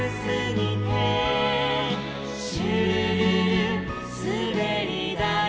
「シュルルルすべりだい」